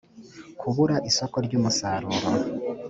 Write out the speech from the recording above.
kubura isoko ry umusaruro